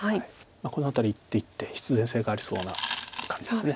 この辺り一手一手必然性がありそうな感じです。